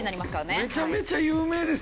めちゃめちゃ有名ですよ。